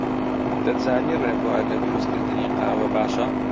دەتزانی ڕێبوار لە دروستکردنی قاوە باشە؟